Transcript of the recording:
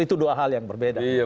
itu dua hal yang berbeda